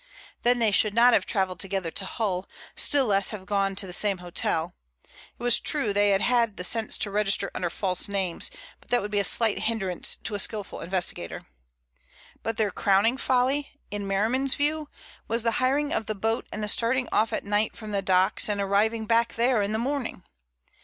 Then they should not have travelled together to Hull, still less have gone to the same hotel. It was true they had had the sense to register under false names, but that would be but a slight hindrance to a skillful investigator. But their crowning folly, in Merriman's view, was the hiring of the boat and the starting off at night from the docks and arriving back there in the morning.